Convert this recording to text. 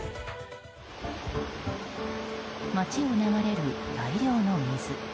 街を流れる大量の水。